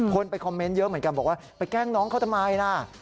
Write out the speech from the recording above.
คนไปคอมเมนต์เยอะเหมือนกันบอกว่าไปแกล้งน้องเขาทำไมล่ะ